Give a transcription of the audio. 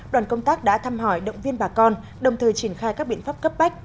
đoàn công tác đã thăm hỏi động viên bà con đồng thời triển khai các biện pháp cấp bách